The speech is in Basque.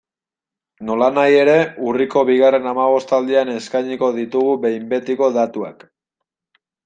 Nolanahi ere, urriko bigarren hamabostaldian eskainiko ditugu behin betiko datuak.